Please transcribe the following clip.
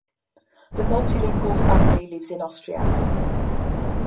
The multi-lingual family lives in Austria.